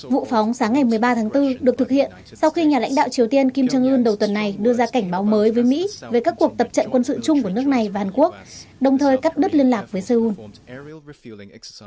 vụ phóng sáng ngày một mươi ba tháng bốn được thực hiện sau khi nhà lãnh đạo triều tiên kim jong un đầu tuần này đưa ra cảnh báo mới với mỹ về các cuộc tập trận quân sự chung của nước này và hàn quốc đồng thời cắt đứt liên lạc với seoul